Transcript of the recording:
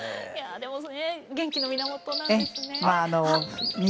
でもそれ元気の源なんですね。